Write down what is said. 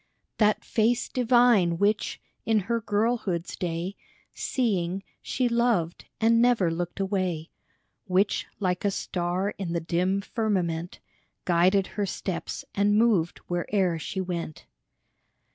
That Face Divine, which, in her girlhood's day Seeing, she loved, and never looked away, Which, like a star in the dim firmament, Guided her steps and moved where'er she went.